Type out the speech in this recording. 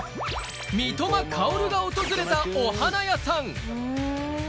三笘薫が訪れたお花屋さん